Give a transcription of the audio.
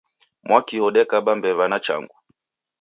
Mwakio odekaba mbewa na changu.